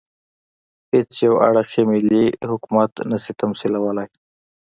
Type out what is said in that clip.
هېڅ یو اړخ یې ملي حکومت نه شي تمثیلولای.